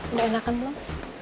udah enakan belum